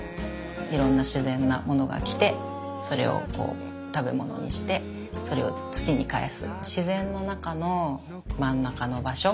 いろんな自然なものが来てそれをこう食べ物にしてそれを土に返す自然の中の真ん中の場所かなと思ってます。